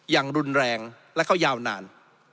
อย่างรุนแรงและเขายาวนาน